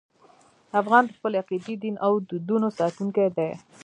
افغان د خپلې عقیدې، دین او دودونو ساتونکی دی.